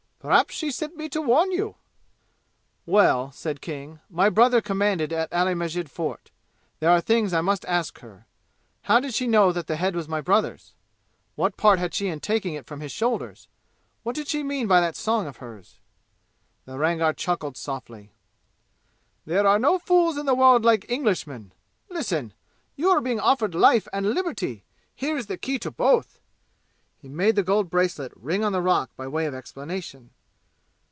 "Perhaps she sent me to warn you!" "Well," said King, "my brother commanded at Ali Masjid Fort. There are things I must ask her. How did she know that head was my brother's? What part had she in taking it from his shoulders? What did she mean by that song of hers?" The Rangar chuckled softly. "There are no fools in the world like Englishmen! Listen! You are being offered life and liberty! Here is the key to both!" He made the gold bracelet ring on the rock by way of explanation.